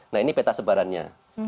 nah ini peta sebarannya